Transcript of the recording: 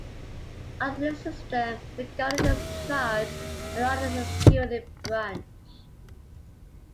Under this system, the governor is in charge of the island's executive branch.